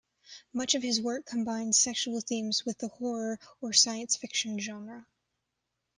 Much of his work combines sexual themes with the horror or science fiction genre.